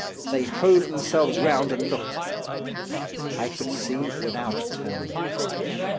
They hove themselves round and looked. I could see without turning.